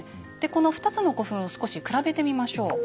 この２つの古墳を少し比べてみましょう。